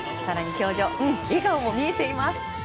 笑顔も見えています。